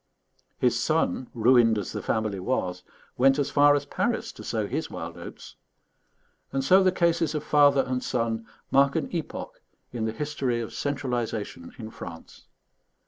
His son, ruined as the family was, went as far as Paris to sow his wild oats; and so the cases of father and son mark an epoch in the history of centralization in France.